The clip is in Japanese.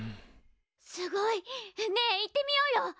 すごいねえ行ってみようよ！